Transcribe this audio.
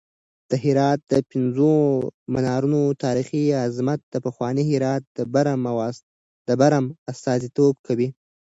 د هرات د پنځو منارونو تاریخي عظمت د پخواني هرات د برم استازیتوب کوي.